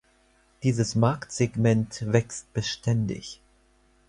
Dieses Marktsegment wächst beständig.